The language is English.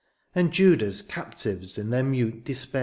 And Judah^s captives in their mute despair.